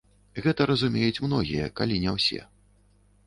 Гэта разумеюць многія, калі не ўсе.